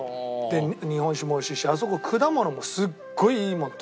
日本酒も美味しいしあそこ果物もすごいいいもの